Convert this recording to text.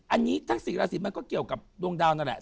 อันนี้ทั้ง๔ราศีมันก็เกี่ยวกับดวงดาวนั่นแหละ